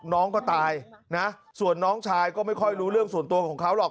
น้องก็ตายนะส่วนน้องชายก็ไม่ค่อยรู้เรื่องส่วนตัวของเขาหรอก